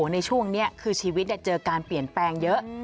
ในช่วงนี้คือชีวิตเจอการเปลี่ยนแปลงเยอะ